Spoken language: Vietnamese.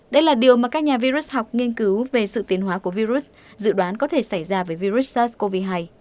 đây là điều mà các nhà virus học nghiên cứu về sự tiến hóa của virus dự đoán có thể xảy ra với virus sars cov hai